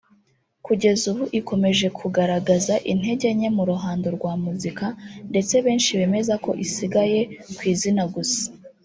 kugeza ubu ikomeje kugaragaza intege nke mu ruhando rwa muzika ndetse benshi bemeza ko isigaye ku izina gusa